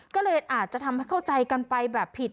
ก็เลยอาจจะทำให้เข้าใจกันไปแบบผิด